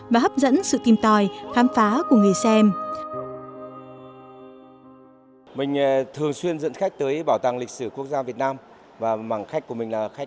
và hấp dẫn sự tìm tòi khám phá của người xem